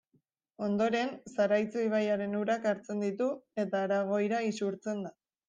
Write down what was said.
Ondoren Zaraitzu ibaiaren urak hartzen ditu eta Aragoira isurtzen da.